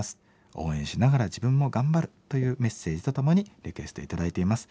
応援しながら自分も頑張る」というメッセージと共にリクエスト頂いています。